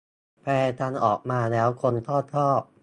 แปลกันออกมาแล้วคนก็ชอบ